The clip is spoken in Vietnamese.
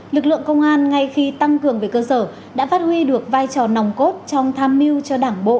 lực lượng công an ngay khi tăng cường về cơ sở đã phát huy được vai trò nòng cốt trong tham mưu cho đảng bộ